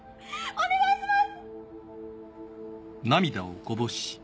お願いします！！